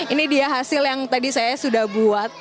ini dia hasil yang tadi saya sudah buat